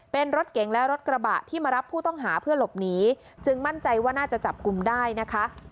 เป็นรถเก๋งและรถกระบะที่มารับผู้ต้องหาเพื่อหลบหนีจึงมั่นใจว่าน่าจะจับกลุ่มได้นะคะ